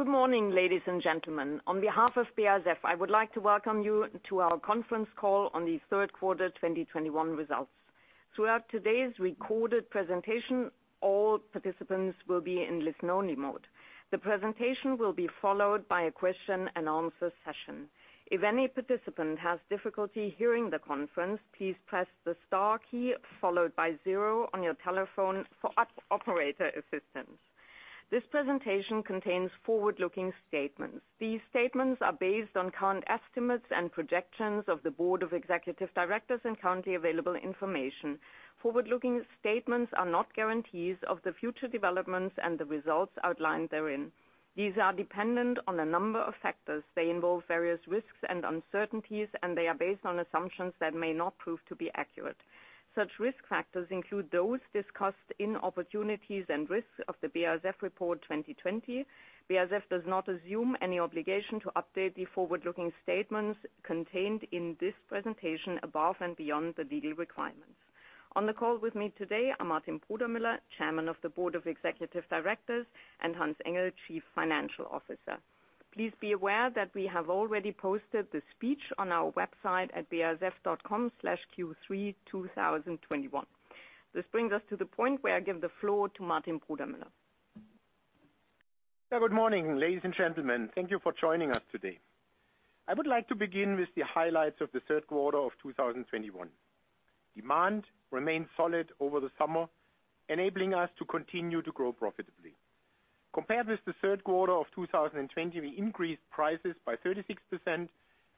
Good morning, ladies and gentlemen. On behalf of BASF, I would like to welcome you to our conference call on the third quarter 2021 results. Throughout today's recorded presentation, all participants will be in listen only mode. The presentation will be followed by a question and answer session. If any participant has difficulty hearing the conference, please press the star key followed by zero on your telephone for operator assistance. This presentation contains forward-looking statements. These statements are based on current estimates and projections of the board of executive directors and currently available information. Forward-looking statements are not guarantees of the future developments and the results outlined therein. These are dependent on a number of factors. They involve various risks and uncertainties, and they are based on assumptions that may not prove to be accurate. Such risk factors include those discussed in Opportunities and Risks of the BASF Report 2020. BASF does not assume any obligation to update the forward-looking statements contained in this presentation above and beyond the legal requirements. On the call with me today are Martin Brudermüller, Chairman of the Board of Executive Directors, and Hans-Ulrich Engel, Chief Financial Officer. Please be aware that we have already posted the speech on our website at basf.com/q32021. This brings us to the point where I give the floor to Martin Brudermüller. Yeah, good morning, ladies and gentlemen. Thank you for joining us today. I would like to begin with the highlights of the third quarter of 2021. Demand remained solid over the summer, enabling us to continue to grow profitably. Compared with the third quarter of 2020, we increased prices by 36%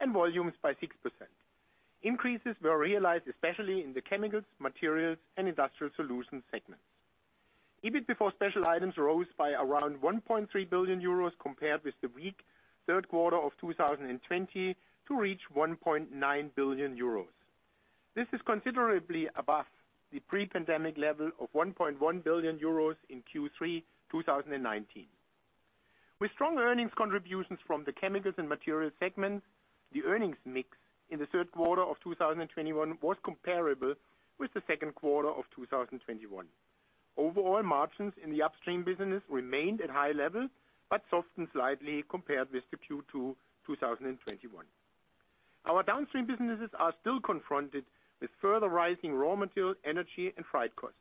and volumes by 6%. Increases were realized especially in the Chemicals, Materials, and Industrial Solutions segments. EBIT before special items rose by around 1.3 billion euros compared with the weak third quarter of 2020 to reach 1.9 billion euros. This is considerably above the pre-pandemic level of 1.1 billion euros in Q3 2019. With strong earnings contributions from the Chemicals and Materials segments, the earnings mix in the third quarter of 2021 was comparable with the second quarter of 2021. Overall margins in the upstream business remained at high levels, but softened slightly compared with the Q2 2021. Our downstream businesses are still confronted with further rising raw material, energy, and freight costs.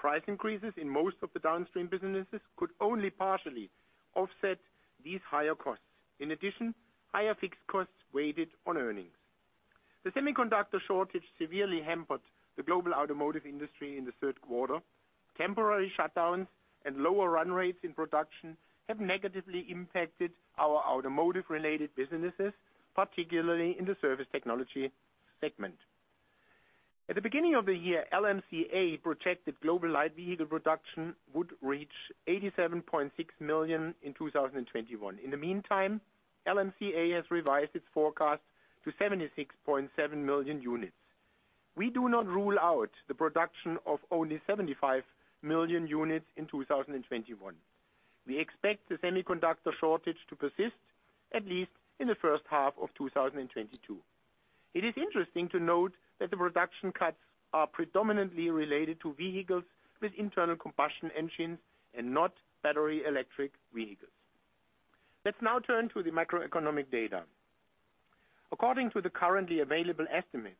Price increases in most of the downstream businesses could only partially offset these higher costs. In addition, higher fixed costs weighed on earnings. The semiconductor shortage severely hampered the global automotive industry in the third quarter. Temporary shutdowns and lower run rates in production have negatively impacted our automotive-related businesses, particularly in the Surface Technologies segment. At the beginning of the year, IHS Markit projected global light vehicle production would reach 87.6 million in 2021. In the meantime, LMCA has revised its forecast to 76.7 million units. We do not rule out the production of only 75 million units in 2021. We expect the semiconductor shortage to persist at least in the first half of 2022. It is interesting to note that the production cuts are predominantly related to vehicles with internal combustion engines and not battery electric vehicles. Let's now turn to the macroeconomic data. According to the currently available estimates,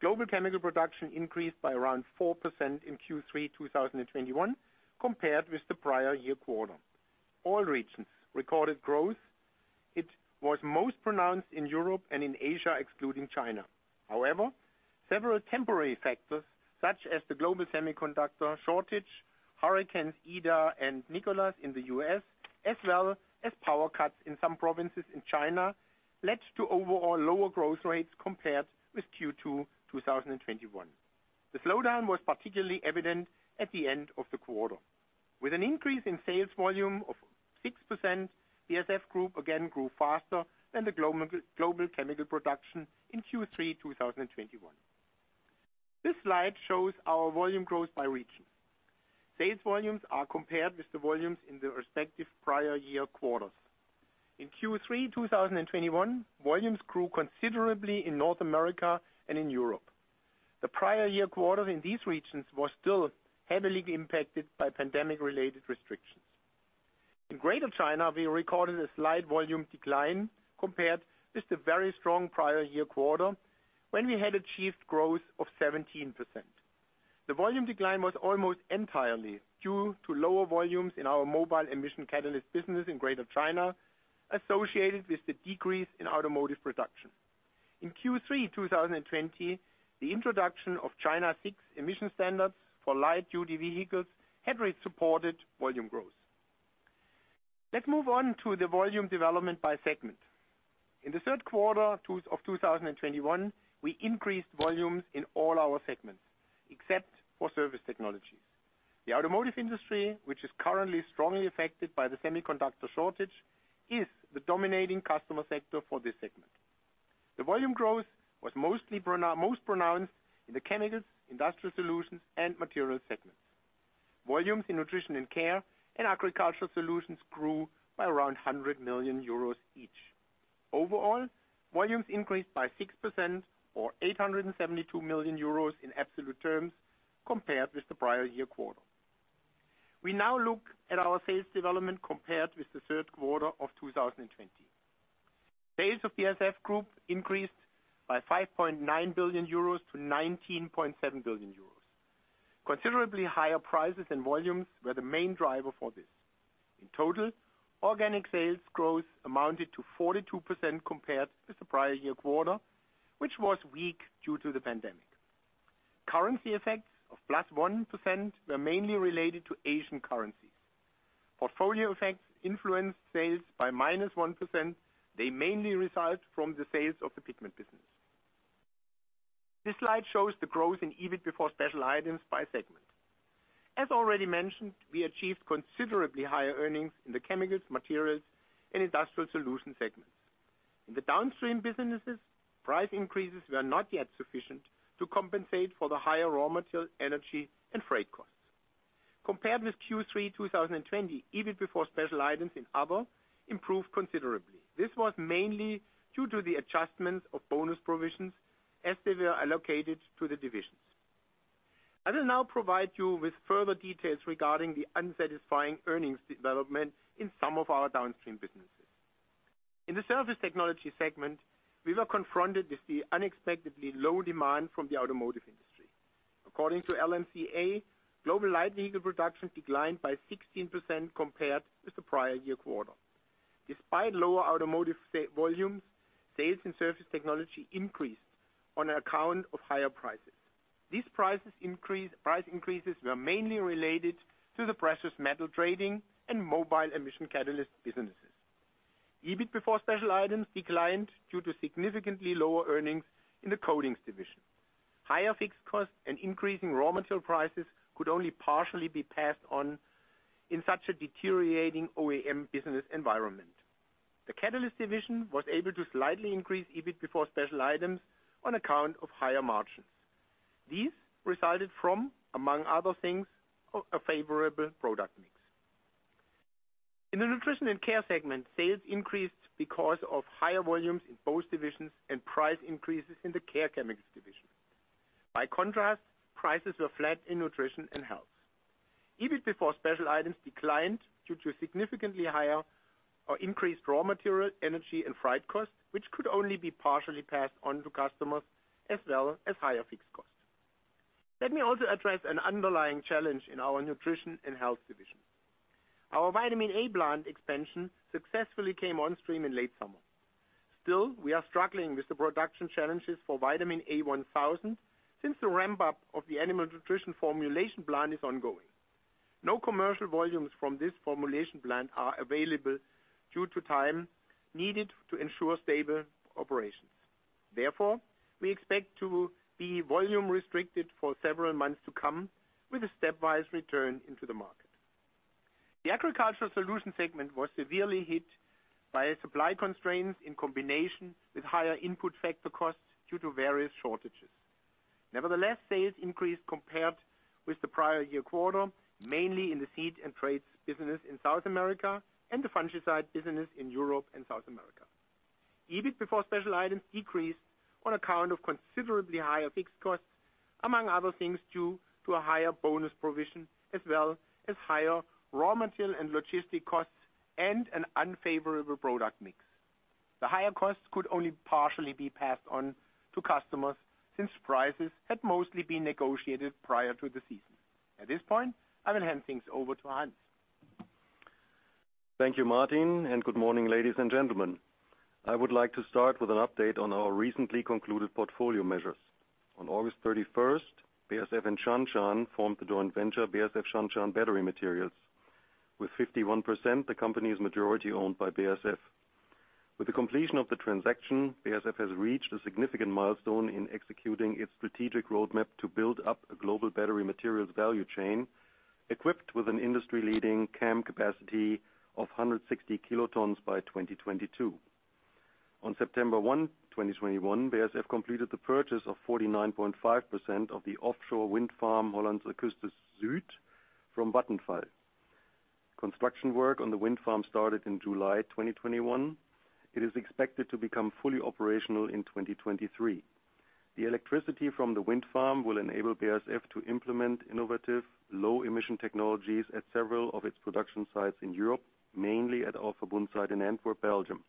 global chemical production increased by around 4% in Q3 2021 compared with the prior year quarter. All regions recorded growth. It was most pronounced in Europe and in Asia, excluding China. However, several temporary factors, such as the global semiconductor shortage, Hurricanes Ida and Nicholas in the U.S., as well as power cuts in some provinces in China, led to overall lower growth rates compared with Q2 2021. The slowdown was particularly evident at the end of the quarter. With an increase in sales volume of 6%, BASF Group again grew faster than the global chemical production in Q3 2021. This slide shows our volume growth by region. Sales volumes are compared with the volumes in the respective prior year quarters. In Q3 2021, volumes grew considerably in North America and in Europe. The prior year quarters in these regions was still heavily impacted by pandemic-related restrictions. In Greater China, we recorded a slight volume decline compared with the very strong prior year quarter when we had achieved growth of 17%. The volume decline was almost entirely due to lower volumes in our mobile emissions catalysts business in Greater China associated with the decrease in automotive production. In Q3 2020, the introduction of China 6 emission standards for light-duty vehicles had re-supported volume growth. Let's move on to the volume development by segment. In the third quarter of 2021, we increased volumes in all our segments except for Surface Technologies. The automotive industry, which is currently strongly affected by the semiconductor shortage, is the dominating customer sector for this segment. The volume growth was most pronounced in the Chemicals, Industrial Solutions, and Materials segments. Volumes in Nutrition & Care and Agricultural Solutions grew by around 100 million euros each. Overall, volumes increased by 6% or 872 million euros in absolute terms compared with the prior year quarter. We now look at our sales development compared with the third quarter of 2020. Sales of BASF Group increased by 5.9 billion euros to 19.7 billion euros. Considerably higher prices and volumes were the main driver for this. In total, organic sales growth amounted to 42% compared to the prior year quarter, which was weak due to the pandemic. Currency effects of +1% were mainly related to Asian currency. Portfolio effects influenced sales by -1%. They mainly result from the sales of the pigments business. This slide shows the growth in EBIT before special items by segment. As already mentioned, we achieved considerably higher earnings in the Chemicals, Materials, and Industrial Solutions segments. In the downstream businesses, price increases were not yet sufficient to compensate for the higher raw material, energy, and freight costs. Compared with Q3 2020, EBIT before special items in other improved considerably. This was mainly due to the adjustments of bonus provisions as they were allocated to the divisions. I will now provide you with further details regarding the unsatisfying earnings development in some of our downstream businesses. In the Surface Technologies segment, we were confronted with the unexpectedly low demand from the automotive industry. According to LMCA, global light vehicle production declined by 16% compared with the prior year quarter. Despite lower automotive volumes, sales in Surface Technologies increased on account of higher prices. Price increases were mainly related to the precious metals trading and mobile emissions catalysts businesses. EBIT before special items declined due to significantly lower earnings in the Coatings division. Higher fixed costs and increasing raw material prices could only partially be passed on in such a deteriorating OEM business environment. The Catalysts division was able to slightly increase EBIT before special items on account of higher margins. These resulted from, among other things, a favorable product mix. In the Nutrition and Care segment, sales increased because of higher volumes in both divisions and price increases in the Care Chemicals division. By contrast, prices were flat in Nutrition and Health. EBIT before special items declined due to significantly higher or increased raw material, energy, and freight costs, which could only be partially passed on to customers as well as higher fixed costs. Let me also address an underlying challenge in our Nutrition and Health division. Our vitamin A plant expansion successfully came on stream in late summer. Still, we are struggling with the production challenges for vitamin A 1000 since the ramp-up of the animal nutrition formulation plant is ongoing. No commercial volumes from this formulation plant are available due to time needed to ensure stable operations. Therefore, we expect to be volume-restricted for several months to come with a stepwise return into the market. The Agricultural Solutions segment was severely hit by supply constraints in combination with higher input factor costs due to various shortages. Nevertheless, sales increased compared with the prior year quarter, mainly in the seed and trait business in South America and the fungicide business in Europe and South America. EBIT before special items decreased on account of considerably higher fixed costs, among other things due to a higher bonus provision, as well as higher raw material and logistic costs and an unfavorable product mix. The higher costs could only partially be passed on to customers since prices had mostly been negotiated prior to the season. At this point, I will hand things over to Hans. Thank you, Martin, and good morning, ladies and gentlemen. I would like to start with an update on our recently concluded portfolio measures. On August 31, BASF and Shanshan formed the joint venture BASF Shanshan Battery Materials. With 51%, the company is majority-owned by BASF. With the completion of the transaction, BASF has reached a significant milestone in executing its strategic roadmap to build up a global battery materials value chain equipped with an industry-leading CAM capacity of 160 kilotons by 2022. On September 1, 2021, BASF completed the purchase of 49.5% of the offshore wind farm Hollandse Kust Zuid from Vattenfall. Construction work on the wind farm started in July 2021. It is expected to become fully operational in 2023. The electricity from the wind farm will enable BASF to implement innovative low-emission technologies at several of its production sites in Europe, mainly at our Verbund site in Antwerp, Belgium.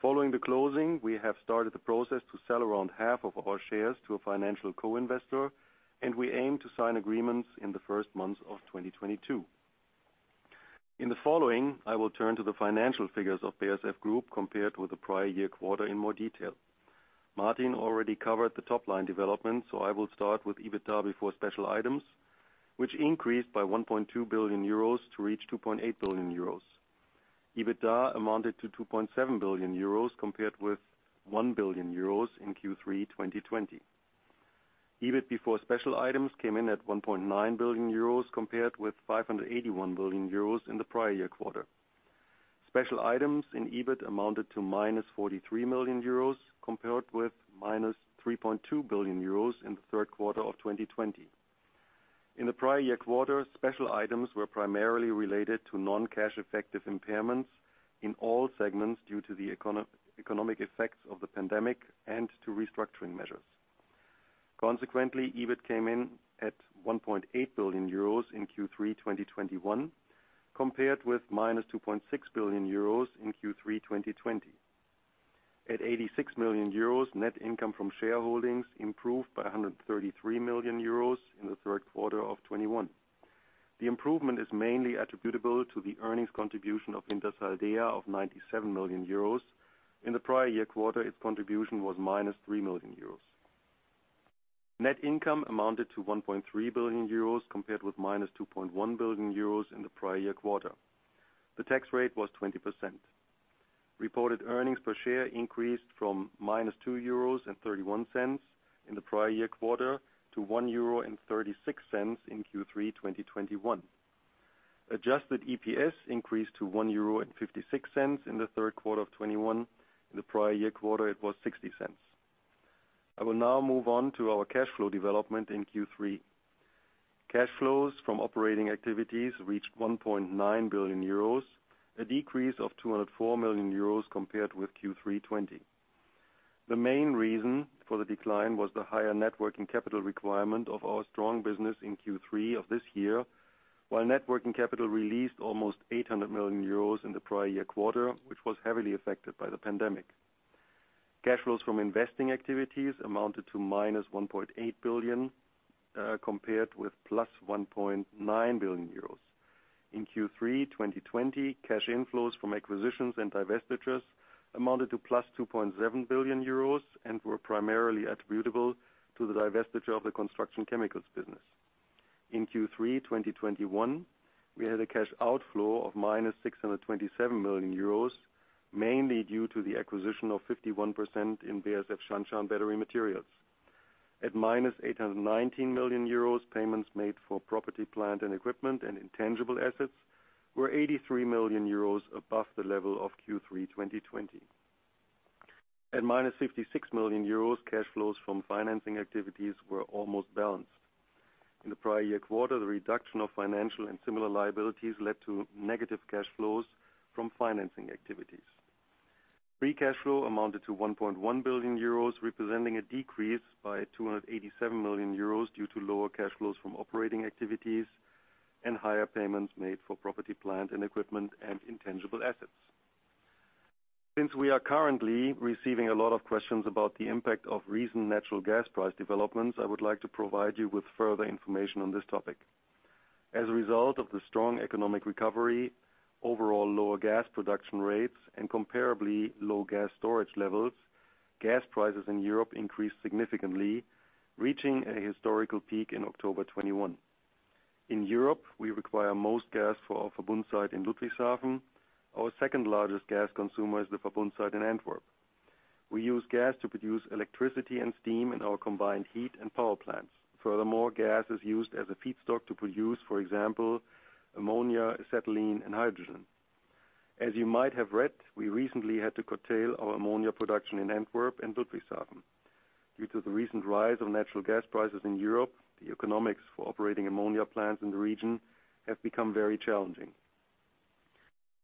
Following the closing, we have started the process to sell around half of our shares to a financial co-investor, and we aim to sign agreements in the first months of 2022. In the following, I will turn to the financial figures of BASF Group compared with the prior year quarter in more detail. Martin already covered the top-line development, so I will start with EBITDA before special items, which increased by 1.2 billion euros to reach 2.8 billion euros. EBITDA amounted to 2.7 billion euros compared with 1 billion euros in Q3 2020. EBIT before special items came in at 1.9 billion euros compared with 581 million euros in the prior year quarter. Special items in EBIT amounted to -43 million euros compared with -3.2 billion euros in the third quarter of 2020. In the prior year quarter, special items were primarily related to non-cash effective impairments in all segments due to the economic effects of the pandemic and to restructuring measures. Consequently, EBIT came in at 1.8 billion euros in Q3 2021, compared with -2.6 billion euros in Q3 2020. At 86 million euros, net income from shareholdings improved by 133 million euros in the third quarter of 2021. The improvement is mainly attributable to the earnings contribution of Wintershall Dea of 97 million euros. In the prior year quarter, its contribution was -3 million euros. Net income amounted to 1.3 billion euros compared with -2.1 billion euros in the prior year quarter. The tax rate was 20%. Reported earnings per share increased from -2.31 euros in the prior year quarter to 1.36 euro in Q3 2021. Adjusted EPS increased to 1.56 euro in the third quarter of 2021. In the prior year quarter, it was 0.60. I will now move on to our cash flow development in Q3. Cash flows from operating activities reached 1.9 billion euros, a decrease of 204 million euros compared with Q3 2020. The main reason for the decline was the higher net working capital requirement of our strong business in Q3 of this year, while net working capital released almost 800 million euros in the prior year quarter, which was heavily affected by the pandemic. Cash flows from investing activities amounted to minus 1.8 billion compared with plus 1.9 billion euros. In Q3 2020, cash inflows from acquisitions and divestitures amounted to plus 2.7 billion euros and were primarily attributable to the divestiture of the Construction Chemicals business. In Q3 2021, we had a cash outflow of minus 627 million euros, mainly due to the acquisition of 51% in BASF Shanshan Battery Materials. At minus 819 million euros, payments made for property, plant, and equipment and intangible assets were 83 million euros above the level of Q3 2020. At -56 million euros, cash flows from financing activities were almost balanced. In the prior year quarter, the reduction of financial and similar liabilities led to negative cash flows from financing activities. Free cash flow amounted to 1.1 billion euros, representing a decrease by 287 million euros due to lower cash flows from operating activities and higher payments made for property, plant, and equipment and intangible assets. Since we are currently receiving a lot of questions about the impact of recent natural gas price developments, I would like to provide you with further information on this topic. As a result of the strong economic recovery, overall lower gas production rates, and comparably low gas storage levels, gas prices in Europe increased significantly, reaching a historical peak in October 2021. In Europe, we require most gas for our Verbund site in Ludwigshafen. Our second-largest gas consumer is the Verbund site in Antwerp. We use gas to produce electricity and steam in our combined heat and power plants. Furthermore, gas is used as a feedstock to produce, for example, ammonia, acetylene, and hydrogen. As you might have read, we recently had to curtail our ammonia production in Antwerp and Ludwigshafen. Due to the recent rise of natural gas prices in Europe, the economics for operating ammonia plants in the region have become very challenging.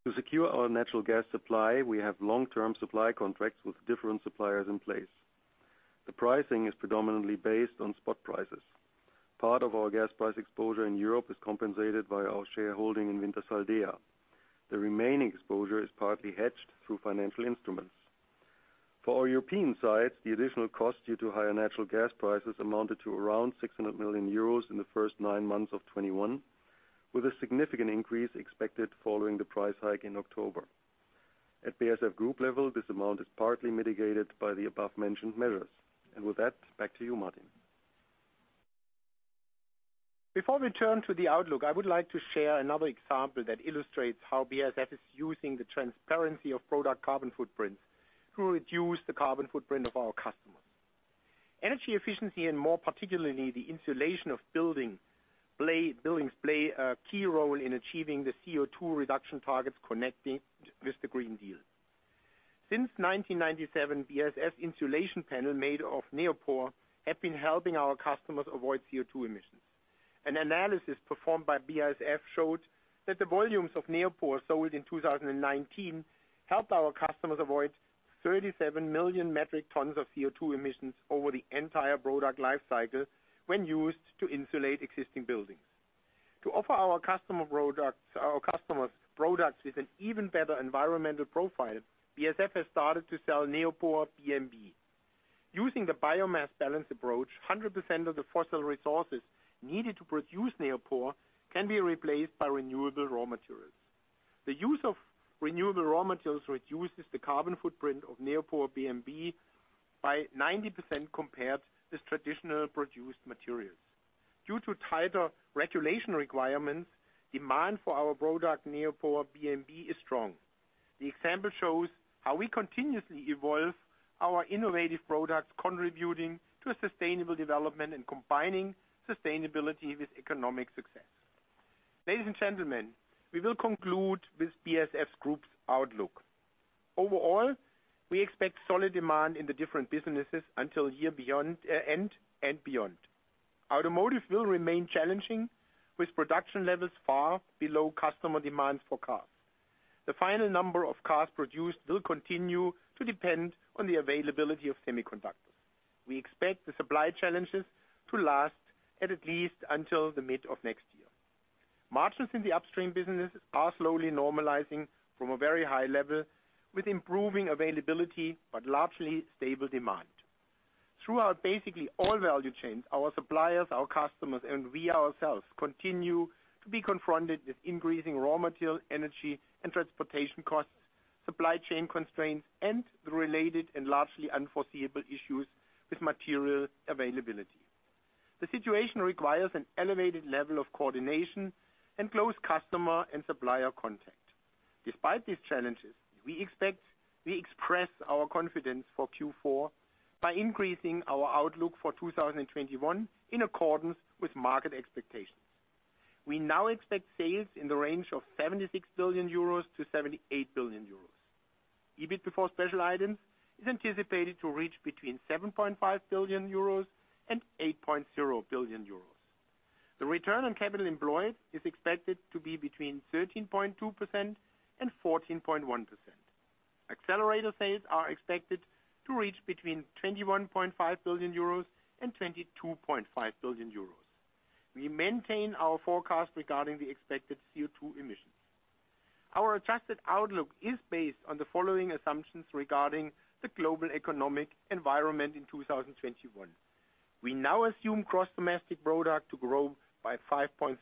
To secure our natural gas supply, we have long-term supply contracts with different suppliers in place. The pricing is predominantly based on spot prices. Part of our gas price exposure in Europe is compensated by our shareholding in Wintershall Dea. The remaining exposure is partly hedged through financial instruments. For our European sites, the additional cost due to higher natural gas prices amounted to around 600 million euros in the first nine months of 2021, with a significant increase expected following the price hike in October. At BASF group level, this amount is partly mitigated by the above-mentioned measures. With that, back to you, Martin. Before we turn to the outlook, I would like to share another example that illustrates how BASF is using the transparency of product carbon footprints to reduce the carbon footprint of our customers. Energy efficiency, and more particularly, the insulation of buildings plays a key role in achieving the CO2 reduction targets connected with the European Green Deal. Since 1997, BASF insulation panels made of Neopor have been helping our customers avoid CO2 emissions. An analysis performed by BASF showed that the volumes of Neopor sold in 2019 helped our customers avoid 37 million metric tons of CO2 emissions over the entire product life cycle when used to insulate existing buildings. To offer our customers products with an even better environmental profile, BASF has started to sell Neopor BMB. Using the biomass balance approach, 100% of the fossil resources needed to produce Neopor can be replaced by renewable raw materials. The use of renewable raw materials reduces the carbon footprint of Neopor BMB by 90% compared with traditional produced materials. Due to tighter regulation requirements, demand for our product, Neopor BMB, is strong. The example shows how we continuously evolve our innovative products, contributing to a sustainable development and combining sustainability with economic success. Ladies and gentlemen, we will conclude with BASF Group's outlook. Overall, we expect solid demand in the different businesses until year-end and beyond. Automotive will remain challenging with production levels far below customer demand for cars. The final number of cars produced will continue to depend on the availability of semiconductors. We expect the supply challenges to last at least until the mid of next year. Margins in the upstream businesses are slowly normalizing from a very high level with improving availability, but largely stable demand. Throughout basically all value chains, our suppliers, our customers, and we ourselves continue to be confronted with increasing raw material, energy, and transportation costs, supply chain constraints, and the related and largely unforeseeable issues with material availability. The situation requires an elevated level of coordination and close customer and supplier contact. Despite these challenges, we express our confidence for Q4 by increasing our outlook for 2021 in accordance with market expectations. We now expect sales in the range of 76 billion-78 billion euros. EBIT before special items is anticipated to reach between 7.5 billion-8.0 billion euros. The return on capital employed is expected to be between 13.2%-14.1%. Accelerator sales are expected to reach between 21.5 billion euros and 22.5 billion euros. We maintain our forecast regarding the expected CO2 emissions. Our adjusted outlook is based on the following assumptions regarding the global economic environment in 2021. We now assume gross domestic product to grow by 5.3%.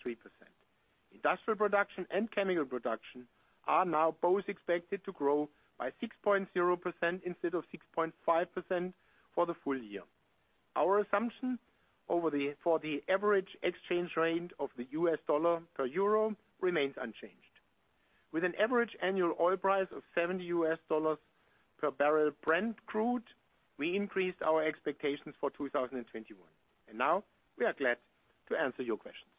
Industrial production and chemical production are now both expected to grow by 6.0% instead of 6.5% for the full year. Our assumption for the average exchange rate of the US dollar per euro remains unchanged. With an average annual oil price of $70 per barrel Brent crude, we increased our expectations for 2021. Now we are glad to answer your questions.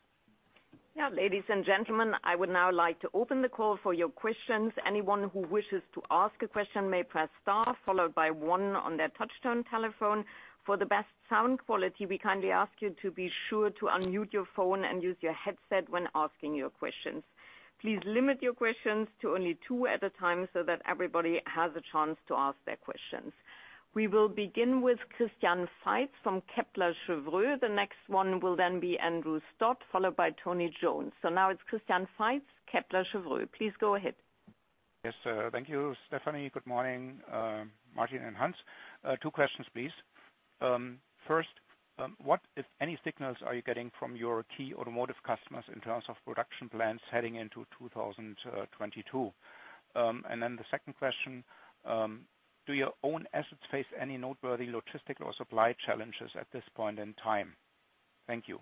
Now, ladies and gentlemen, I would now like to open the call for your questions. Anyone who wishes to ask a question may press star followed by one on their touchtone telephone. For the best sound quality, we kindly ask you to be sure to unmute your phone and use your headset when asking your questions. Please limit your questions to only two at a time so that everybody has a chance to ask their questions. We will begin with Christian Faitz from Kepler Cheuvreux. The next one will then be Andrew Stott, followed by Tony Jones. Now it's Christian Faitz, Kepler Cheuvreux. Please go ahead. Yes, thank you, Stefanie. Good morning, Martin and Hans. Two questions, please. First, what, if any, signals are you getting from your key automotive customers in terms of production plans heading into 2022? The second question, do your own assets face any noteworthy logistical or supply challenges at this point in time? Thank you.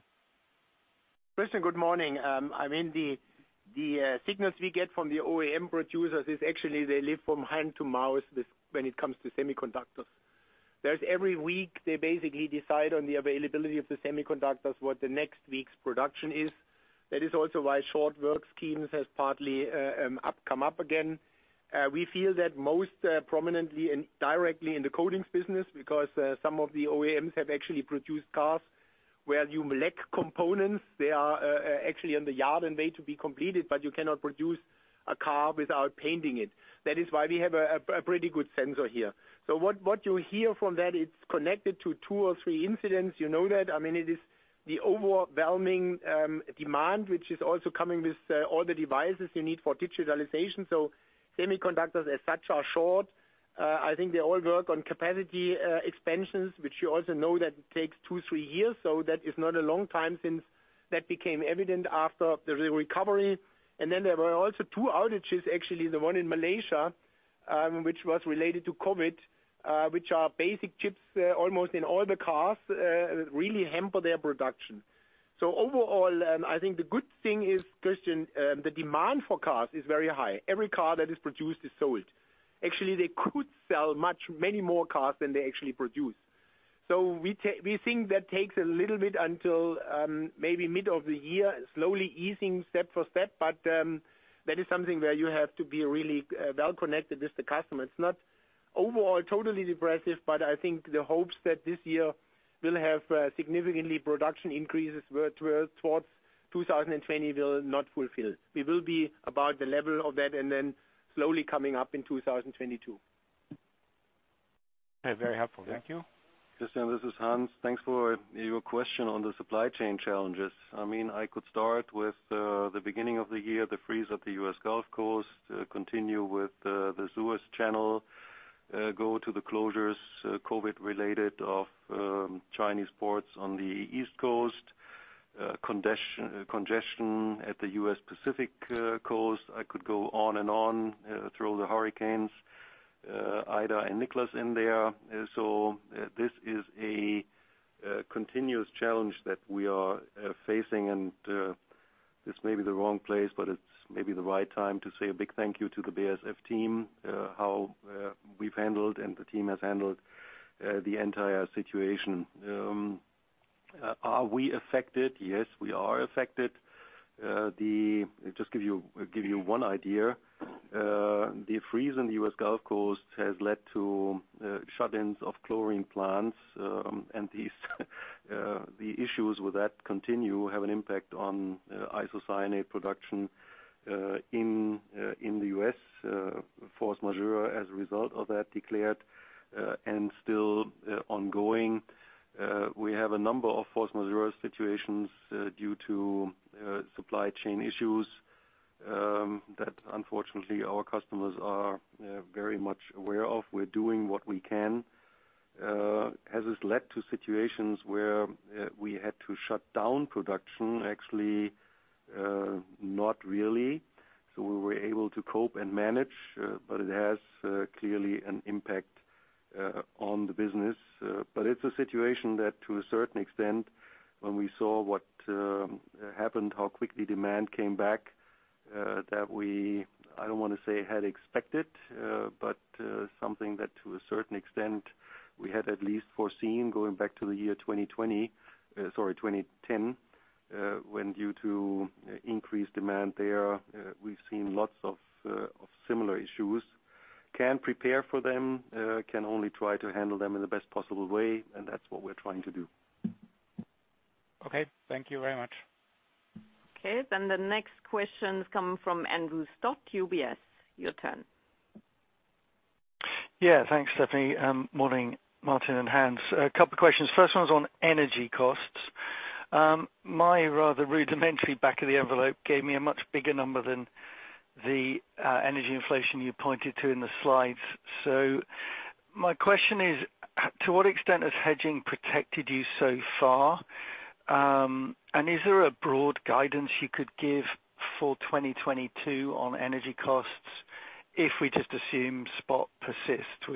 Christian, good morning. I mean, the signals we get from the OEM producers is actually they live from hand to mouth with, when it comes to semiconductors. Every week, they basically decide on the availability of the semiconductors, what the next week's production is. That is also why short work schemes has partly come up again. We feel that most prominently and directly in the coatings business because some of the OEMs have actually produced cars where you lack components. They are actually in the yard and wait to be completed, but you cannot produce a car without painting it. That is why we have a pretty good sensor here. What you hear from that, it's connected to two or three incidents, you know that. I mean, it is the overwhelming demand, which is also coming with all the devices you need for digitalization. Semiconductors as such are short. I think they all work on capacity expansions, which you also know that takes 2-3 years. That is not a long time since that became evident after the recovery. Then there were also two outages, actually, the one in Malaysia, which was related to COVID, which are basic chips almost in all the cars really hamper their production. Overall, I think the good thing is, Christian, the demand for cars is very high. Every car that is produced is sold. Actually, they could sell many more cars than they actually produce. We think that takes a little bit until maybe mid of the year, slowly easing step by step. That is something where you have to be really well connected with the customer. It's not overall totally depressed, but I think the hopes that this year will have significant production increases towards 2020 will not fulfill. We will be about the level of that and then slowly coming up in 2022. Okay. Very helpful. Thank you. Yeah. Christian, this is Hans. Thanks for your question on the supply chain challenges. I mean, I could start with the beginning of the year, the freeze at the U.S. Gulf Coast, continue with the Suez Canal, go to the COVID-related closures of Chinese ports on the East Coast, congestion at the U.S. Pacific Coast. I could go on and on, throw the hurricanes Ida and Nicholas in there. This is a continuous challenge that we are facing. This may be the wrong place, but it's maybe the right time to say a big thank you to the BASF team, how we've handled and the team has handled the entire situation. Are we affected? Yes, we are affected. Just give you one idea. The freeze in the U.S. Gulf Coast has led to shutdowns of chlorine plants, and these issues with that continue have an impact on isocyanates production in the U.S., force majeure as a result of that declared and still ongoing. We have a number of force majeure situations due to supply chain issues that unfortunately our customers are very much aware of. We're doing what we can. Has this led to situations where we had to shut down production? Actually, not really. We were able to cope and manage, but it has clearly an impact on the business. It's a situation that to a certain extent, when we saw what happened, how quickly demand came back, that we, I don't wanna say had expected, but something that to a certain extent we had at least foreseen going back to the year 2020, sorry, 2010, when due to increased demand there, we've seen lots of similar issues. Can't prepare for them, can only try to handle them in the best possible way, and that's what we're trying to do. Okay. Thank you very much. Okay. The next question is coming from Andrew Stott, UBS. Your turn. Thanks, Stephanie. Morning, Martin and Hans. A couple questions. First one is on energy costs. My rather rudimentary back of the envelope gave me a much bigger number than the energy inflation you pointed to in the slides. My question is, to what extent has hedging protected you so far? And is there a broad guidance you could give for 2022 on energy costs if we just assume spot persists,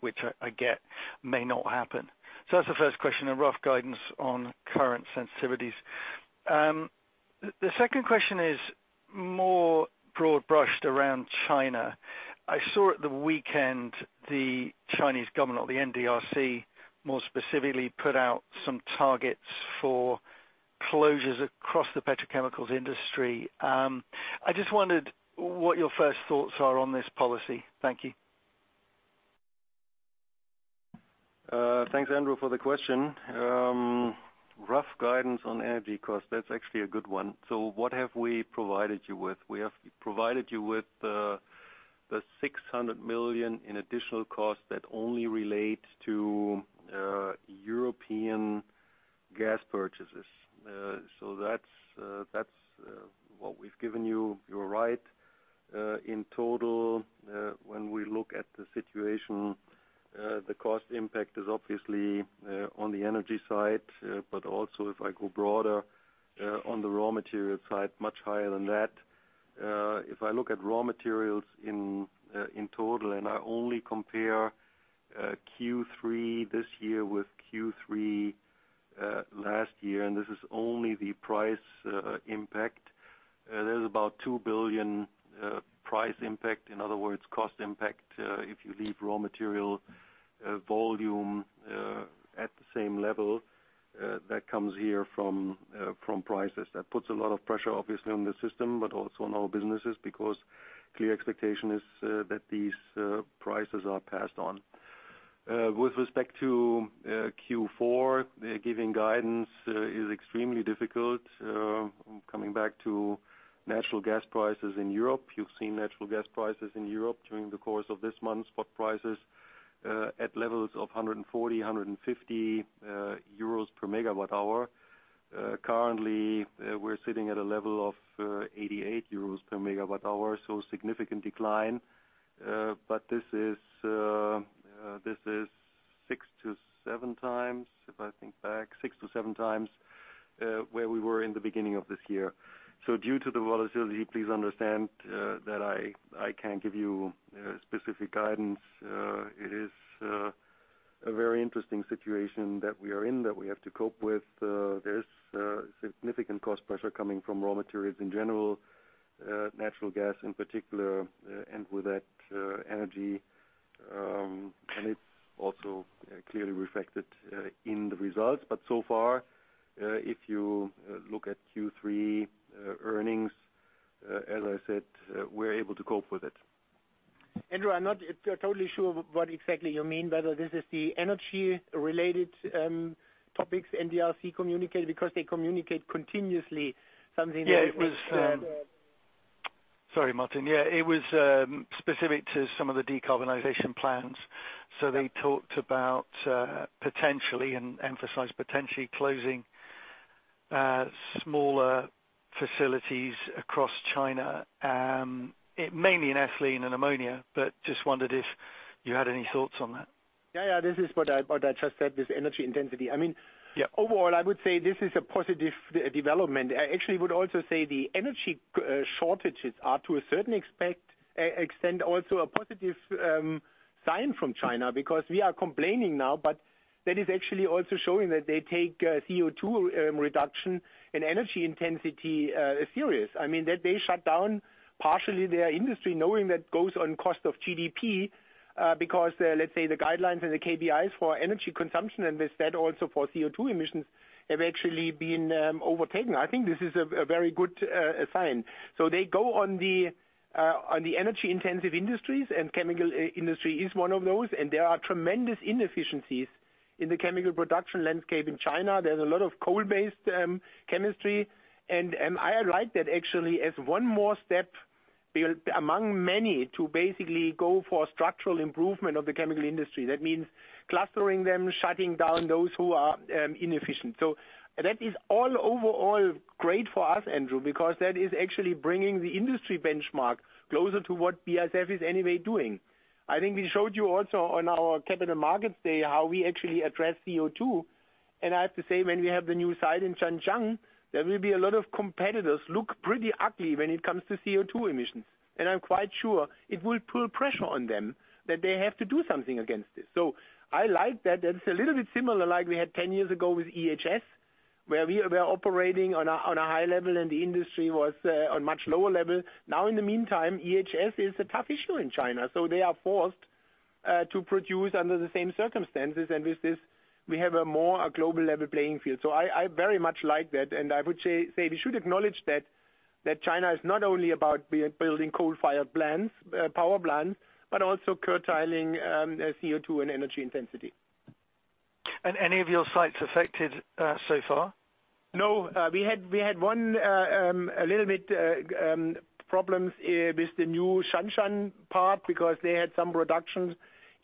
which I get may not happen. That's the first question, a rough guidance on current sensitivities. The second question is more broad-brushed around China. I saw at the weekend the Chinese government, or the NDRC, more specifically, put out some targets for closures across the petrochemicals industry. I just wondered what your first thoughts are on this policy. Thank you. Thanks, Andrew, for the question. Rough guidance on energy costs, that's actually a good one. What have we provided you with? We have provided you with 600 million in additional costs that only relate to European gas purchases. That's what we've given you. You're right. In total, when we look at the situation, the cost impact is obviously on the energy side, but also if I go broader, on the raw material side, much higher than that. If I look at raw materials in total, and I only compare Q3 this year with Q3 last year, and this is only the price impact, there's about 2 billion price impact. In other words, cost impact if you leave raw material volume at the same level that comes here from prices. That puts a lot of pressure obviously on the system, but also on our businesses because clear expectation is that these prices are passed on. With respect to Q4, giving guidance is extremely difficult. Coming back to natural gas prices in Europe, you've seen natural gas prices in Europe during the course of this month, spot prices at levels of 140-150 euros per MWh. Currently, we're sitting at a level of 88 euros per MWh, so significant decline. This is 6-7 times, if I think back, where we were in the beginning of this year. Due to the volatility, please understand that I can't give you specific guidance. It is a very interesting situation that we are in, that we have to cope with. There's significant cost pressure coming from raw materials in general, natural gas in particular, and with that, energy, and it's also clearly reflected in the results. So far, if you look at Q3 earnings, as I said, we're able to cope with it. Andrew, I'm not totally sure what exactly you mean, whether this is the energy-related topics NDRC communicate, because they communicate continuously something that. Sorry, Martin. It was specific to some of the decarbonization plans. They talked about potentially, and emphasized potentially closing smaller facilities across China, mainly in ethylene and ammonia, but just wondered if you had any thoughts on that? Yeah, yeah. This is what I just said, this energy intensity. I mean. Yeah. Overall, I would say this is a positive development. I actually would also say the energy shortages are to a certain extent also a positive sign from China because we are complaining now, but that is actually also showing that they take CO₂ reduction and energy intensity serious. I mean, that they shut down partially their industry knowing that goes at the cost of GDP because, let's say the guidelines and the KPIs for energy consumption and they set also for CO₂ emissions have actually been overtaken. I think this is a very good sign. They go on the energy intensive industries and chemical industry is one of those, and there are tremendous inefficiencies in the chemical production landscape in China. There's a lot of coal-based chemistry, and I like that actually as one more step build among many to basically go for structural improvement of the chemical industry. That means clustering them, shutting down those who are inefficient. That is all overall great for us, Andrew, because that is actually bringing the industry benchmark closer to what BASF is anyway doing. I think we showed you also on our capital markets day how we actually address CO₂, and I have to say, when we have the new site in Zhanjiang, there will be a lot of competitors look pretty ugly when it comes to CO₂ emissions. I'm quite sure it will put pressure on them that they have to do something against this. I like that. It's a little bit similar like we had 10 years ago with EHS, where we were operating on a high level and the industry was on much lower level. Now in the meantime, EHS is a tough issue in China, so they are forced to produce under the same circumstances. With this we have a more global level playing field. I very much like that and I would say we should acknowledge that China is not only about building coal-fired power plants, but also curtailing CO₂ and energy intensity. Any of your sites affected, so far? No. We had one a little bit problems with the new Zhanjiang part because they had some reductions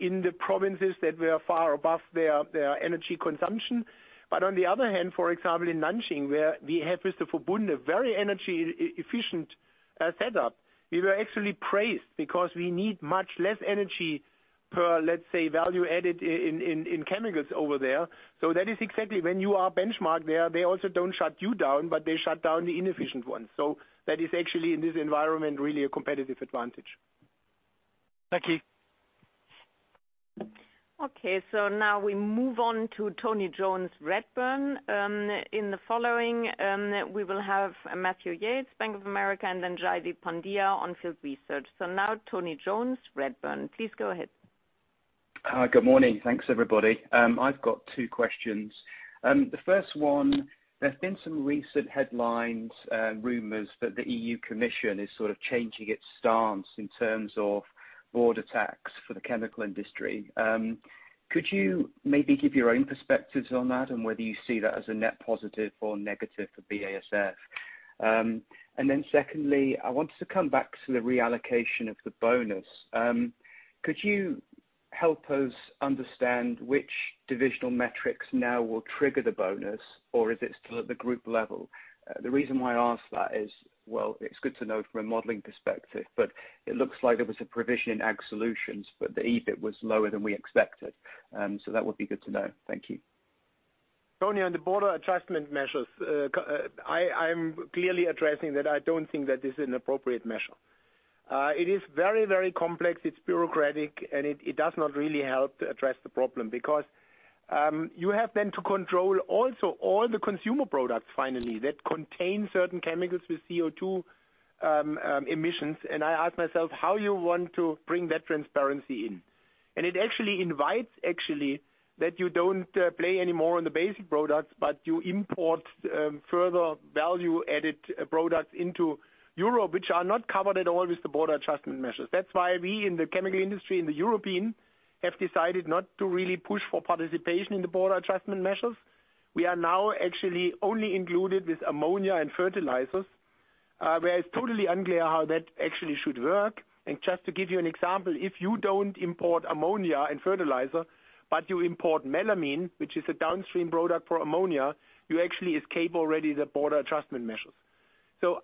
in the provinces that were far above their energy consumption. On the other hand, for example, in Nanjing where we have with the Verbund a very energy efficient setup, we were actually praised because we need much less energy per, let's say, value added in chemicals over there. That is exactly when you are benchmarked there, they also don't shut you down, but they shut down the inefficient ones. That is actually in this environment, really a competitive advantage. Thank you. Okay. Now we move on to Tony Jones, Redburn. In the following, we will have Matthew Yates, Bank of America, and then Jaideep Pandya, On Field Investment Research. Now Tony Jones, Redburn, please go ahead. Hi, good morning. Thanks, everybody. I've got two questions. The first one, there's been some recent headlines, rumors that the EU Commission is sort of changing its stance in terms of border tax for the chemical industry. Could you maybe give your own perspectives on that and whether you see that as a net positive or negative for BASF? Secondly, I wanted to come back to the reallocation of the bonus. Could you help us understand which divisional metrics now will trigger the bonus, or is it still at the group level? The reason why I ask that is, well, it's good to know from a modeling perspective, but it looks like there was a provision in Agricultural Solutions, but the EBIT was lower than we expected. That would be good to know. Thank you. Tony, on the border adjustment measures, I'm clearly addressing that I don't think that this is an appropriate measure. It is very, very complex, it's bureaucratic, and it does not really help to address the problem because you have then to control also all the consumer products finally that contain certain chemicals with CO₂ emissions. I ask myself how you want to bring that transparency in. It actually invites that you don't play anymore on the basic products, but you import further value-added products into Europe which are not covered at all with the border adjustment measures. That's why we in the chemical industry, in the European, have decided not to really push for participation in the border adjustment measures. We are now actually only included with ammonia and fertilizers, where it's totally unclear how that actually should work. Just to give you an example, if you don't import ammonia and fertilizer, but you import melamine, which is a downstream product for ammonia, you actually escape already the border adjustment measures.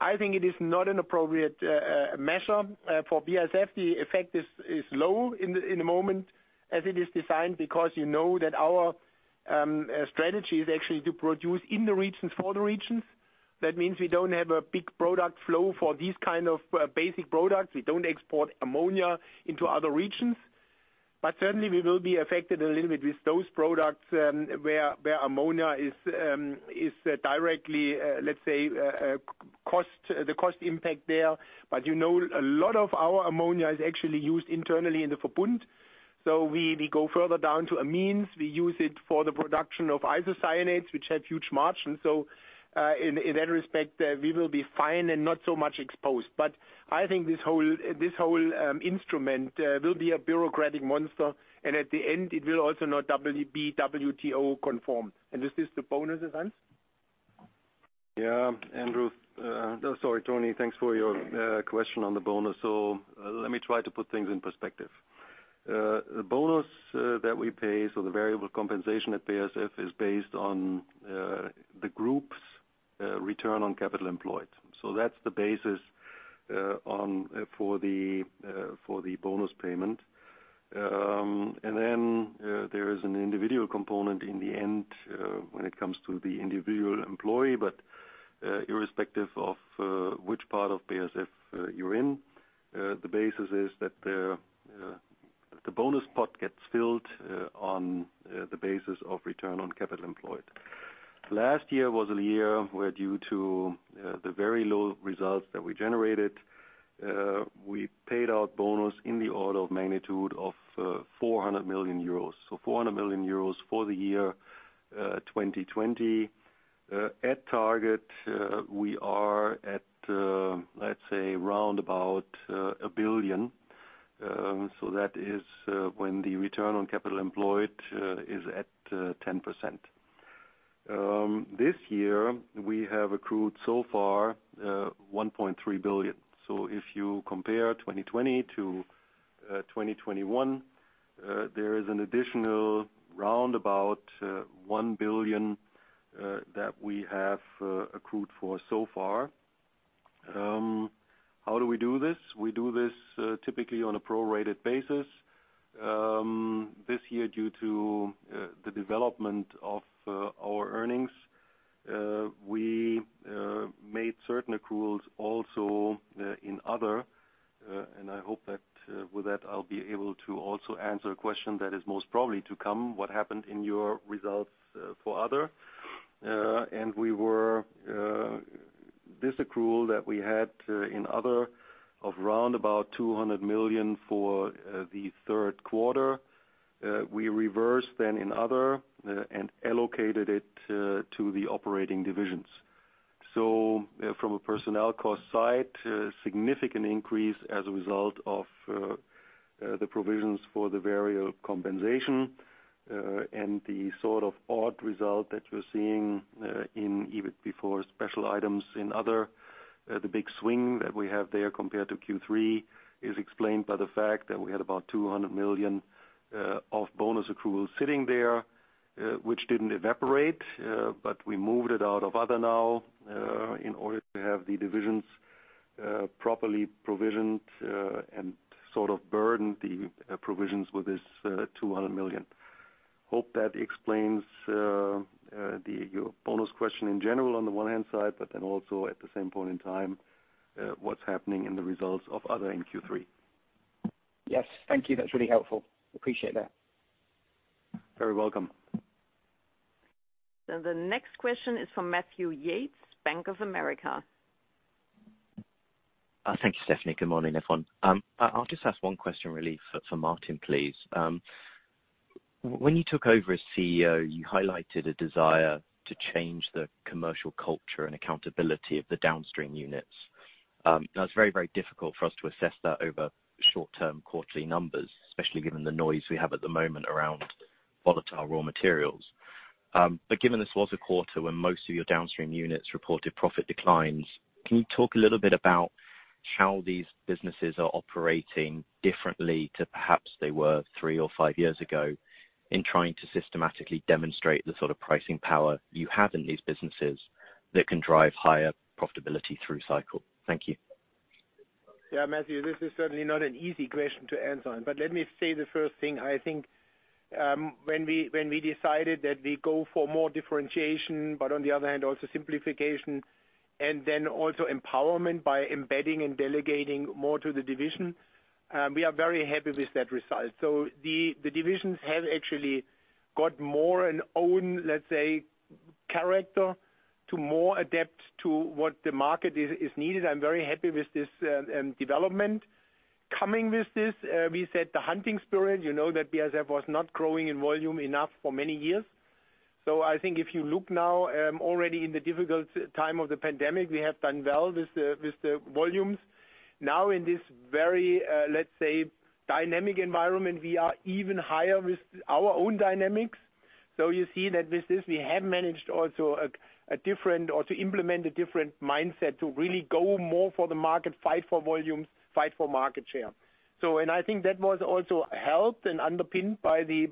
I think it is not an appropriate measure for BASF. The effect is low in the moment as it is designed because you know that our strategy is actually to produce in the regions for the regions. That means we don't have a big product flow for these kind of basic products. We don't export ammonia into other regions. Certainly we will be affected a little bit with those products, where ammonia is directly, let's say, the cost impact there. You know, a lot of our ammonia is actually used internally in the Verbund. So we go further down to amines. We use it for the production of isocyanates, which have huge margins. So, in that respect, we will be fine and not so much exposed. I think this whole instrument will be a bureaucratic monster and at the end it will also not be WTO conformed. Is this the bonus, Hans? Yeah, Andrew. No. Sorry, Tony. Thanks for your question on the bonus. Let me try to put things in perspective. The bonus that we pay, the variable compensation at BASF is based on the group's return on capital employed. That's the basis for the bonus payment. And then there is an individual component in the end when it comes to the individual employee. But Irrespective of which part of BASF you're in, the basis is that the bonus pot gets filled on the basis of return on capital employed. Last year was a year where due to the very low results that we generated, we paid out bonus in the order of magnitude of 400 million euros. 400 million euros for the year 2020. At target, we are at, let's say round about, 1 billion. That is when the return on capital employed is at 10%. This year we have accrued so far 1.3 billion. If you compare 2020 to 2021, there is an additional round about 1 billion that we have accrued for so far. How do we do this? We do this typically on a prorated basis. This year, due to the development of our earnings, we made certain accruals also in other, and I hope that with that I'll be able to also answer a question that is most probably to come, what happened in your results for other. We were, this accrual that we had in other of round about 200 million for the third quarter, we reversed then in other and allocated it to the operating divisions. From a personnel cost side, a significant increase as a result of the provisions for the variable compensation, and the sort of odd result that you're seeing in EBIT before special items in other. The big swing that we have there compared to Q3 is explained by the fact that we had about 200 million of bonus accruals sitting there, which didn't evaporate, but we moved it out of other now, in order to have the divisions properly provisioned, and sort of burden the provisions with this 200 million. Hope that explains the bonus question in general on the one hand side, but then also at the same point in time, what's happening in the results of other in Q3. Yes. Thank you. That's really helpful. Appreciate that. Very welcome. The next question is from Matthew Yates, Bank of America. Thank you, Stephanie. Good morning, everyone. I'll just ask one question really for Martin, please. When you took over as CEO, you highlighted a desire to change the commercial culture and accountability of the downstream units. Now it's very, very difficult for us to assess that over short-term quarterly numbers, especially given the noise we have at the moment around volatile raw materials. Given this was a quarter when most of your downstream units reported profit declines, can you talk a little bit about how these businesses are operating differently than perhaps they were three or five years ago in trying to systematically demonstrate the sort of pricing power you have in these businesses that can drive higher profitability through cycle? Thank you. Yeah, Matthew, this is certainly not an easy question to answer. Let me say the first thing. I think when we decided that we go for more differentiation, but on the other hand, also simplification, and then also empowerment by embedding and delegating more to the division, we are very happy with that result. The divisions have actually got more an own, let's say, character to more adapt to what the market is needed. I'm very happy with this development. Coming with this, we said the hunting spirit, you know that BASF was not growing in volume enough for many years. I think if you look now, already in the difficult time of the pandemic, we have done well with the volumes. Now in this very, let's say, dynamic environment, we are even higher with our own dynamics. You see that with this, we have managed also a different or to implement a different mindset to really go more for the market, fight for volumes, fight for market share. I think that was also helped and underpinned by the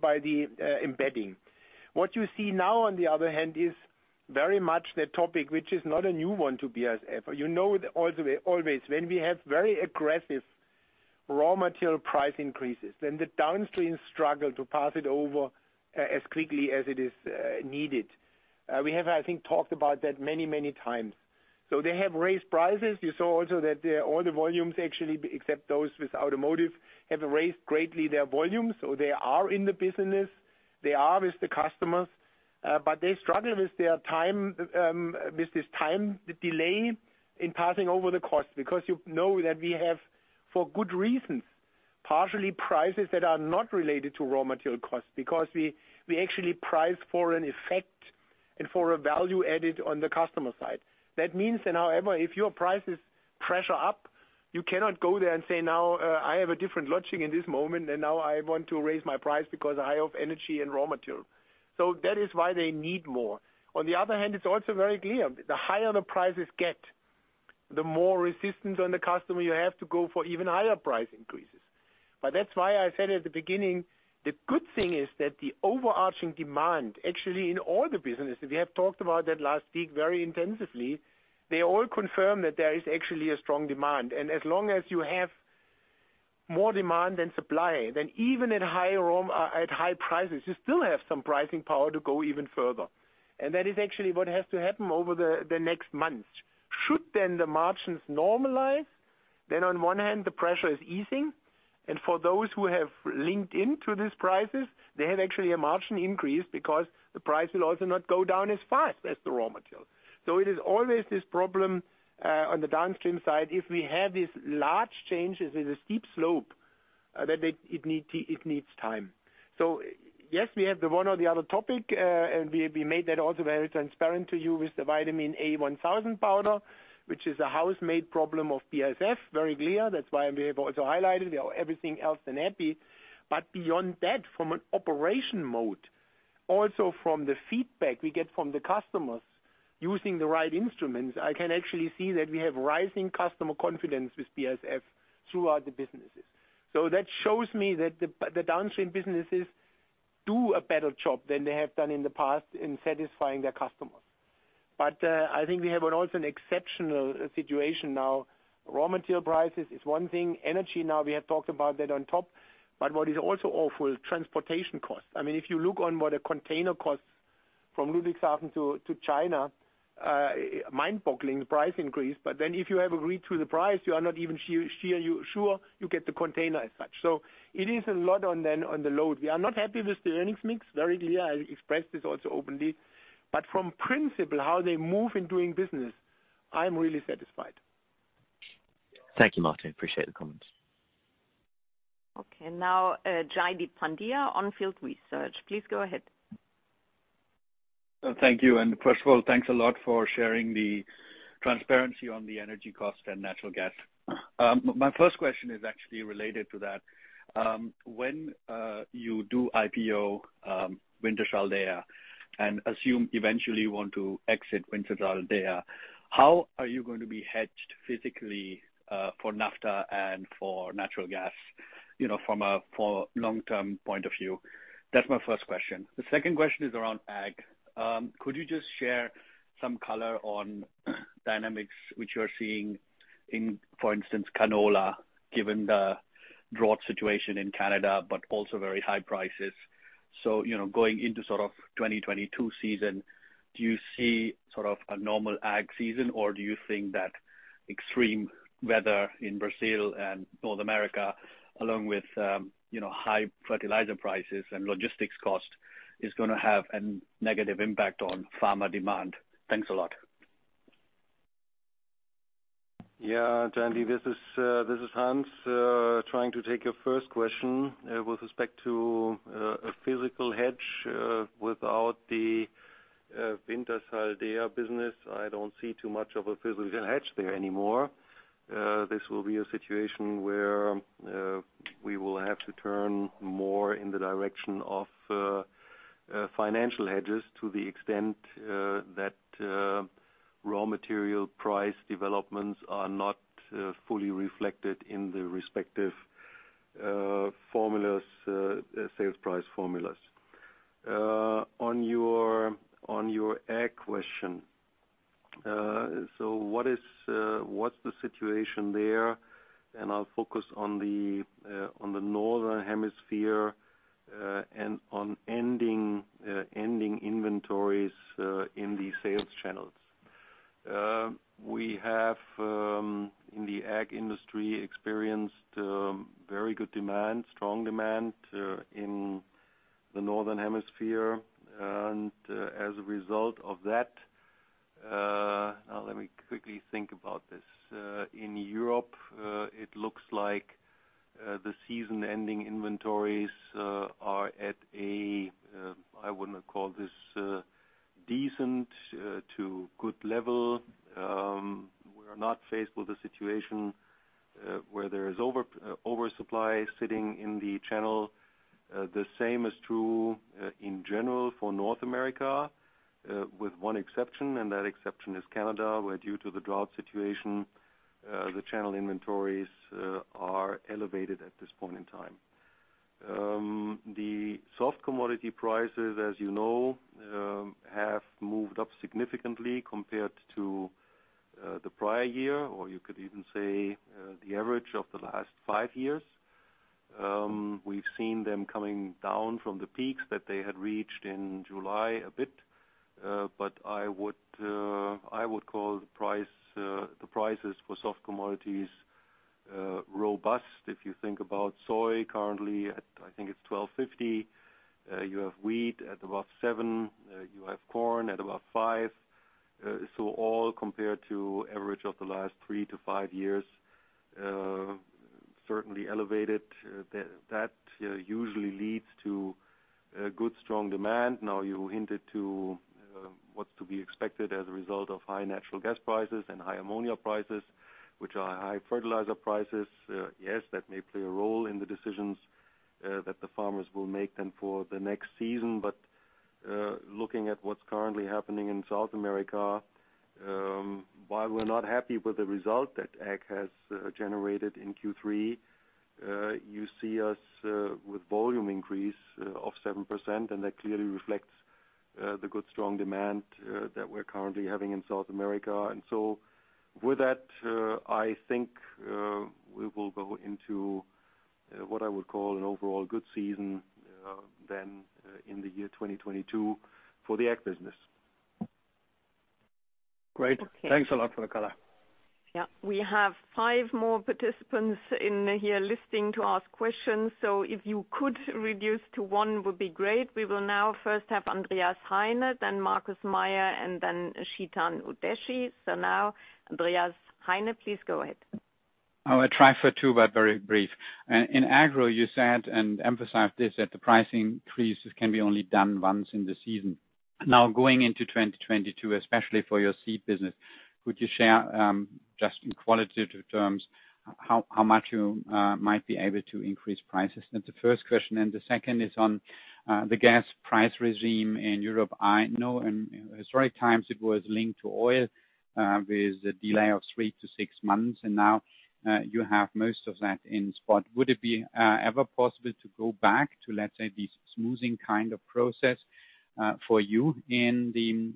embedding. What you see now, on the other hand, is very much the topic, which is not a new one to BASF. You know, always when we have very aggressive raw material price increases, then the downstream struggle to pass it over as quickly as it is needed. We have, I think, talked about that many, many times. They have raised prices. You saw also that all the volumes actually, except those with automotive, have raised greatly their volumes. They are in the business, they are with the customers, but they struggle with their time, with this time delay in passing over the cost. Because you know that we have, for good reasons, partially prices that are not related to raw material costs, because we actually price for an effect and for a value added on the customer side. That means that, however, if your prices pressure up, you cannot go there and say, now, I have a different logic in this moment, and now I want to raise my price because I have energy and raw material. That is why they need more. On the other hand, it's also very clear the higher the prices get, the more resistance on the customer you have to go for even higher price increases. That's why I said at the beginning, the good thing is that the overarching demand, actually in all the businesses, we have talked about that last week very intensively. They all confirm that there is actually a strong demand. As long as you have more demand than supply, then even at higher raw, at high prices, you still have some pricing power to go even further. That is actually what has to happen over the next months. Should then the margins normalize, then on one hand, the pressure is easing, and for those who have linked into these prices, they have actually a margin increase because the price will also not go down as fast as the raw material. It is always this problem on the downstream side, if we have these large changes with a steep slope, that it needs time. Yes, we have the one or the other topic, and we made that also very transparent to you with the Lutavit A 1000 NXT powder, which is an in-house problem of BASF, very clear. That's why we have also highlighted everything other than happy. Beyond that, from an operational mode, also from the feedback we get from the customers using the right instruments, I can actually see that we have rising customer confidence with BASF throughout the businesses. That shows me that the downstream businesses do a better job than they have done in the past in satisfying their customers. I think we have also an exceptional situation now. Raw material prices is one thing. Energy now, we have talked about that on top. What is also awful, transportation costs. I mean, if you look on what a container costs from Ludwigshafen to China, mind-boggling price increase. Then if you have agreed to the price, you are not even sure you get the container as such. It is a lot on the whole. We are not happy with the earnings mix, very clear. I expressed this also openly. From principle, how they move in doing business, I am really satisfied. Thank you, Martin. I appreciate the comments. Okay. Now, Jaideep Pandya, On Field Investment Research. Please go ahead. Thank you. First of all, thanks a lot for sharing the transparency on the energy cost and natural gas. My first question is actually related to that. When you do IPO Wintershall Dea, and assume eventually you want to exit Wintershall Dea, how are you going to be hedged physically for naphtha and for natural gas, you know, from a long-term point of view? That's my first question. The second question is around ag. Could you just share some color on dynamics which you're seeing in, for instance, canola, given the drought situation in Canada, but also very high prices? You know, going into sort of 2022 season, do you see sort of a normal ag season, or do you think that extreme weather in Brazil and North America, along with, you know, high fertilizer prices and logistics cost is gonna have a negative impact on farmer demand? Thanks a lot. Yeah, Jaideep, this is Hans trying to take your first question with respect to a physical hedge without the Wintershall Dea business. I don't see too much of a physical hedge there anymore. This will be a situation where we will have to turn more in the direction of financial hedges to the extent that raw material price developments are not fully reflected in the respective formulas, sales price formulas. On your ag question, what's the situation there? I'll focus on the northern hemisphere and on ending inventories in the sales channels. We have in the ag industry experienced very good demand, strong demand in the northern hemisphere. As a result of that, now let me quickly think about this. In Europe, it looks like the season-ending inventories are at a, I wanna call this, decent to good level. We're not faced with a situation where there is oversupply sitting in the channel. The same is true, in general for North America, with one exception, and that exception is Canada, where due to the drought situation, the channel inventories are elevated at this point in time. The soft commodity prices, as you know, have moved up significantly compared to the prior year, or you could even say the average of the last five years. We've seen them coming down from the peaks that they had reached in July a bit, but I would call the prices for soft commodities robust. If you think about soy currently at, I think it's $12.50, you have wheat at about $7, you have corn at about $5. So all compared to average of the last 3-5 years, certainly elevated. That usually leads to good, strong demand. Now, you hinted to what's to be expected as a result of high natural gas prices and high ammonia prices, which are high fertilizer prices. Yes, that may play a role in the decisions that the farmers will make then for the next season looking at what's currently happening in South America, while we're not happy with the result that Ag has generated in Q3, you see us with volume increase of 7%, and that clearly reflects The good strong demand that we're currently having in South America. With that, I think we will go into what I would call an overall good season then in the year 2022 for the Ag business. Great. Okay. Thanks a lot for the color. Yeah, we have five more participants in here listening to ask questions, so if you could reduce to one, would be great. We will now first have Andreas Heine, then Markus Mayer, and then Chetan Udeshi. Now, Andreas Heine, please go ahead. I will try for two, but very brief. In agro, you said and emphasized this, that the pricing increases can be only done once in the season. Now, going into 2022, especially for your seed business, could you share, just in qualitative terms, how much you might be able to increase prices? That's the first question. The second is on the gas price regime in Europe. I know in historic times it was linked to oil, with a delay of 3-6 months, and now, you have most of that in spot. Would it be ever possible to go back to, let's say, the smoothing kind of process, for you in the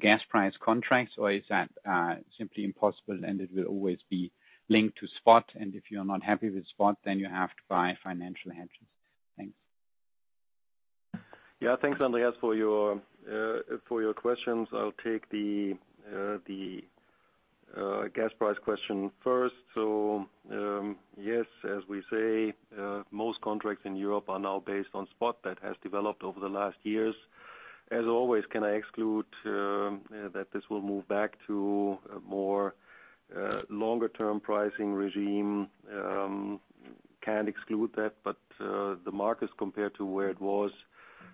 gas price contracts? Is that simply impossible and it will always be linked to spot, and if you're not happy with spot, then you have to buy financial hedges? Thanks. Yeah, thanks, Andreas, for your questions. I'll take the gas price question first. Yes, as we say, most contracts in Europe are now based on spot. That has developed over the last years. As always, can't exclude that this will move back to a more longer-term pricing regime. Can't exclude that, but the markets compared to where it was,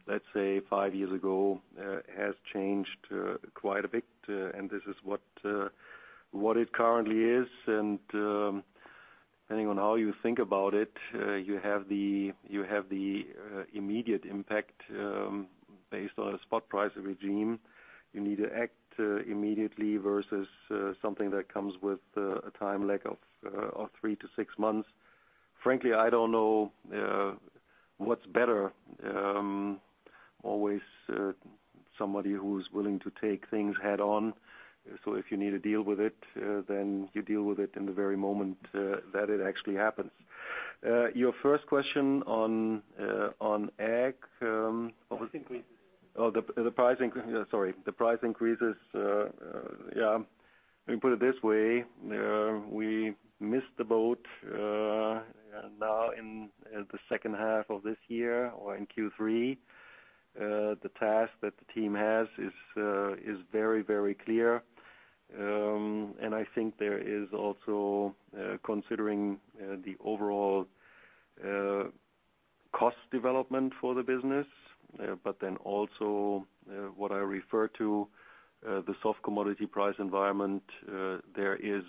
let's say five years ago, has changed quite a bit. This is what it currently is. Depending on how you think about it, you have the immediate impact based on a spot price regime. You need to act immediately versus something that comes with a time lag of 3-6 months. Frankly, I don't know what's better. Always, somebody who's willing to take things head on, so if you need to deal with it, then you deal with it in the very moment that it actually happens. Your first question on Ag, The price increases. The price increases. Let me put it this way. We missed the boat now in the second half of this year or in Q3. The task that the team has is very clear. I think there is also, considering the overall cost development for the business, but then also what I refer to, the soft commodity price environment, there is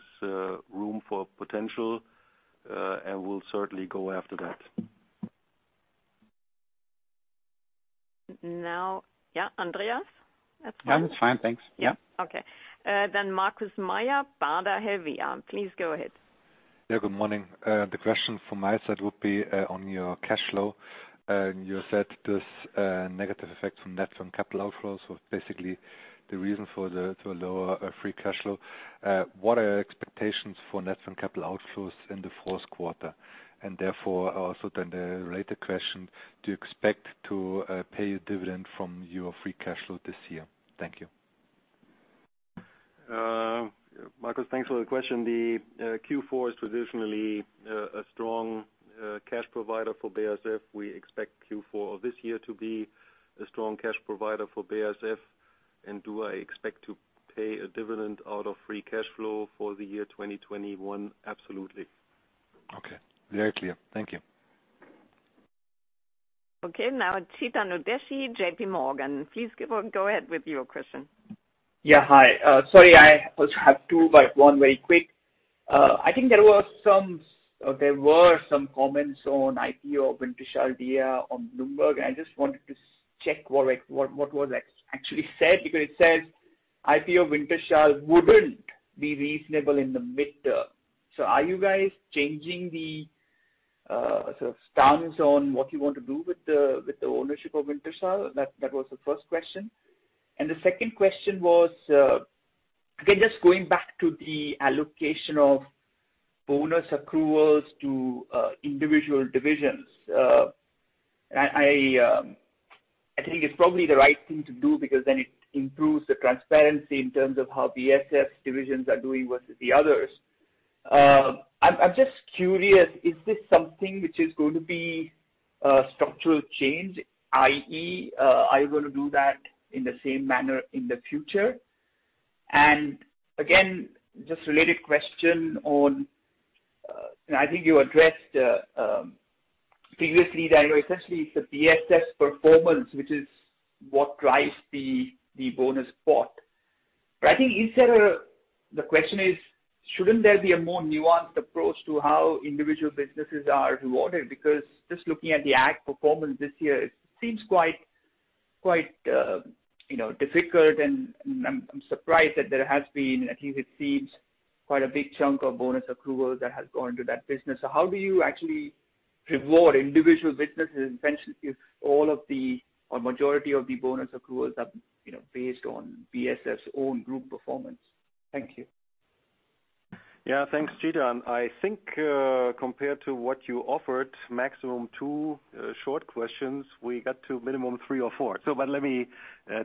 room for potential, and we'll certainly go after that. Yeah, Andreas? That's fine? Yeah, that's fine, thanks. Yeah. Okay. Markus Mayer, Baader Helvea. Please go ahead. Yeah, good morning. The question from my side would be on your cash flow. You said this negative effect from net working capital outflows was basically the reason for the lower free cash flow. What are your expectations for net working capital outflows in the fourth quarter? And therefore, also then a related question, do you expect to pay a dividend from your free cash flow this year? Thank you. Markus, thanks for the question. The Q4 is traditionally a strong cash provider for BASF. We expect Q4 of this year to be a strong cash provider for BASF. Do I expect to pay a dividend out of free cash flow for the year 2021? Absolutely. Okay. Very clear. Thank you. Okay. Now Chetan Udeshi, JPMorgan. Please go ahead with your question. Yeah. Hi. Sorry, I also have two, but one very quick. I think there were some comments on IPO Wintershall Dea on Bloomberg, and I just wanted to check what exactly was actually said, because it says IPO Wintershall wouldn't be reasonable in the midterm. Are you guys changing the sort of stance on what you want to do with the ownership of Wintershall? That was the first question. The second question was, again, just going back to the allocation of bonus accruals to individual divisions. I think it's probably the right thing to do because then it improves the transparency in terms of how BASF's divisions are doing versus the others. I'm just curious, is this something which is going to be a structural change, i.e., are you gonna do that in the same manner in the future? Again, just a related question, and I think you addressed previously that, you know, essentially it's the BASF's performance which is what drives the bonus pot. But I think the question is, shouldn't there be a more nuanced approach to how individual businesses are rewarded? Because just looking at the Ag performance this year, it seems quite, you know, difficult, and I'm surprised that there has been, at least it seems quite a big chunk of bonus accrual that has gone to that business. How do you actually reward individual businesses, especially if all of the, or majority of the bonus accruals are, you know, based on BASF's own group performance? Thank you. Yeah, thanks, Chetan. I think, compared to what you offered, maximum two short questions, we got to minimum three or four. Let me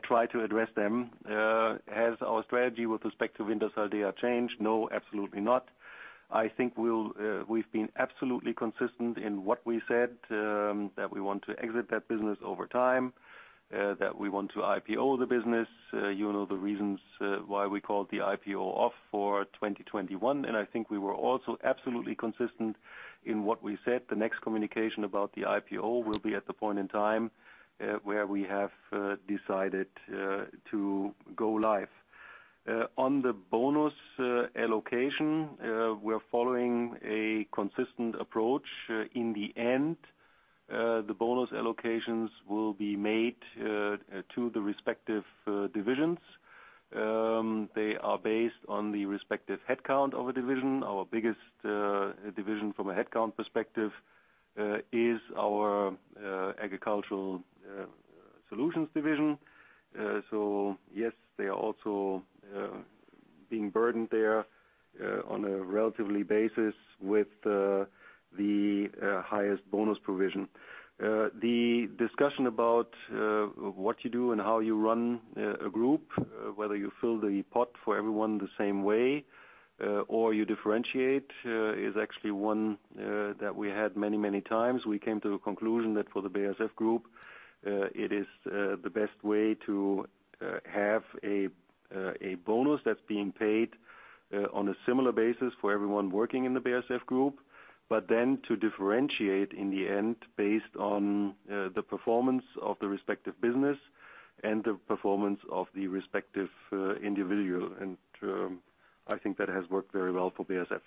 try to address them. Has our strategy with respect to Wintershall Dea changed? No, absolutely not. I think we've been absolutely consistent in what we said that we want to exit that business over time that we want to IPO the business. You know the reasons why we called the IPO off for 2021, and I think we were also absolutely consistent in what we said. The next communication about the IPO will be at the point in time where we have decided to go live. On the bonus allocation, we're following a consistent approach. In the end, the bonus allocations will be made to the respective divisions. They are based on the respective headcount of a division. Our biggest division from a headcount perspective is our Agricultural Solutions division. Yes, they are also being burdened there on a relative basis with the highest bonus provision. The discussion about what you do and how you run a group, whether you fill the pot for everyone the same way or you differentiate, is actually one that we had many times. We came to a conclusion that for the BASF Group, it is the best way to have a bonus that's being paid on a similar basis for everyone working in the BASF Group, but then to differentiate in the end based on the performance of the respective business and the performance of the respective individual. I think that has worked very well for BASF.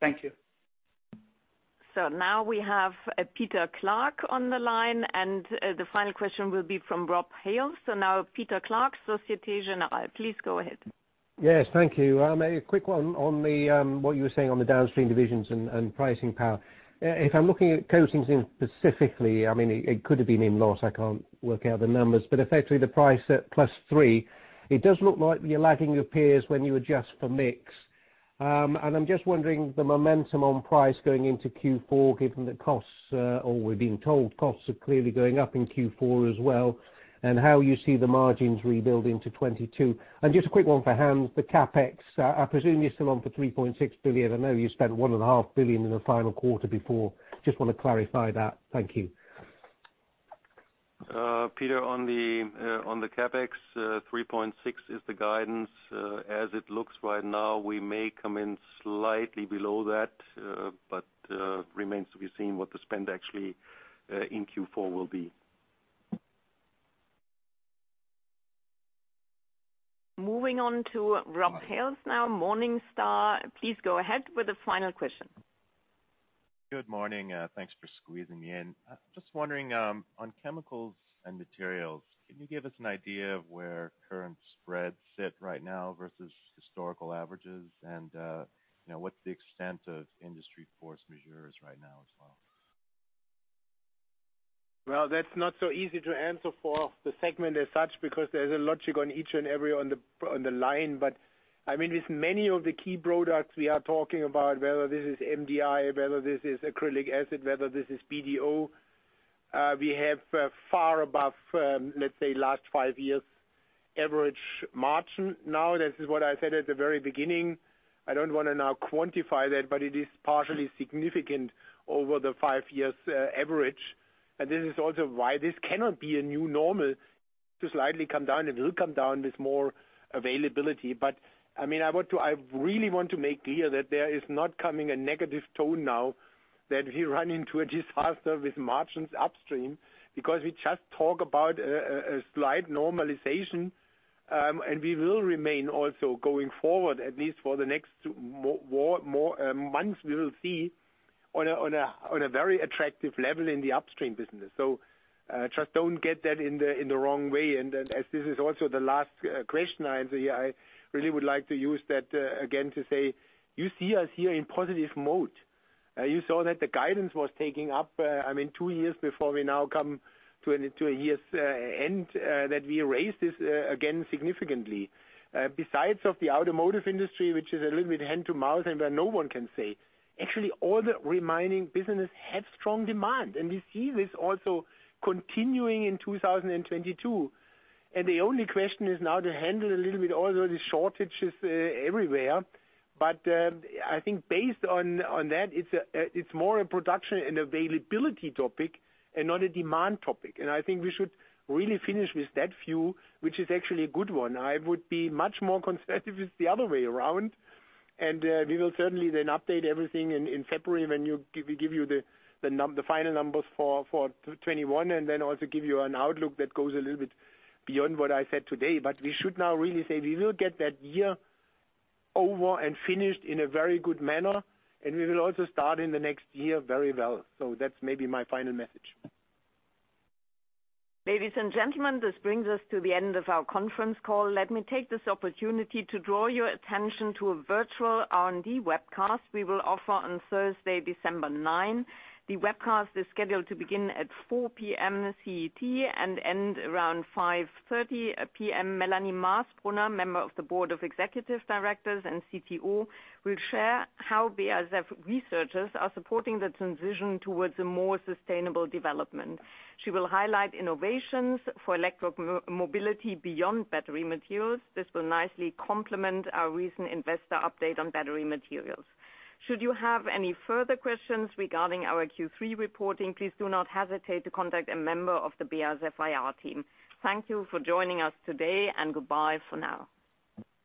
Thank you. Now we have Peter Clark on the line, and the final question will be from Rob Hales. Now Peter Clark, Société Générale, please go ahead. Yes, thank you. A quick one on what you were saying on the downstream divisions and pricing power. If I'm looking at coatings specifically, I mean, it could have been in loss. I can't work out the numbers, but effectively the price at +3%, it does look like you're lagging your peers when you adjust for mix. I'm just wondering the momentum on price going into Q4, given that costs, we're being told, are clearly going up in Q4 as well, and how you see the margins rebuilding to 22%. Just a quick one for Hans, the CapEx. I presume you're still on for 3.6 billion. I know you spent 1.5 billion in the final quarter before. Just want to clarify that. Thank you. Peter, on the CapEx, 3.6 is the guidance. As it looks right now, we may come in slightly below that, but it remains to be seen what the spend actually in Q4 will be. Moving on to Rob Hales now, Morningstar. Please go ahead with the final question. Good morning. Thanks for squeezing me in. Just wondering, on Chemicals and Materials, can you give us an idea of where current spreads sit right now versus historical averages and, you know, what's the extent of industry force majeure right now as well? Well, that's not so easy to answer for the segment as such, because there's a logic on each and every line. I mean, with many of the key products we are talking about, whether this is MDI, whether this is acrylic acid, whether this is BDO, we have far above, let's say, last five years' average margin. Now, this is what I said at the very beginning. I don't want to now quantify that, but it is partially significant over the five years' average. This is also why this cannot be a new normal to slightly come down. It will come down with more availability. I mean, I really want to make clear that there is not coming a negative tone now that we run into a disaster with margins upstream, because we just talk about a slight normalization, and we will remain also going forward, at least for the next more months we will see on a very attractive level in the upstream business. Just don't get that in the wrong way. As this is also the last question I answer here, I really would like to use that again to say you see us here in positive mode. You saw that the guidance was taking up, I mean, two years before we now come to a year's end that we raised this again significantly. Besides the automotive industry, which is a little bit hand to mouth and where no one can say, actually all the remaining business have strong demand, and we see this also continuing in 2022. The only question is now to handle a little bit all of the shortages, everywhere. I think based on that, it's more a production and availability topic and not a demand topic. I think we should really finish with that view, which is actually a good one. I would be much more conservative if it's the other way around. We will certainly then update everything in February when we give you the final numbers for 2021 and then also give you an outlook that goes a little bit beyond what I said today. We should now really say we will get that year over and finished in a very good manner, and we will also start in the next year very well. That's maybe my final message. Ladies and gentlemen, this brings us to the end of our conference call. Let me take this opportunity to draw your attention to a virtual R&D Webcast we will offer on Thursday, December 9. The webcast is scheduled to begin at 4:00 P.M. CET and end around 5:30 P.M. Melanie Maas-Brunner, Member of the Board of Executive Directors and Chief Technology Officer, will share how BASF researchers are supporting the transition towards a more sustainable development. She will highlight innovations for electromobility beyond battery materials. This will nicely complement our recent investor update on battery materials. Should you have any further questions regarding our Q3 reporting, please do not hesitate to contact a member of the BASF Investor Relations team. Thank you for joining us today and goodbye for now.